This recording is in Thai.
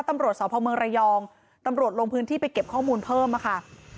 ตำรวจสพเมืองระยองตำรวจลงพื้นที่ไปเก็บข้อมูลเพิ่มค่ะ